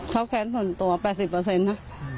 เขาแค้นส่วนตัว๘๐นะ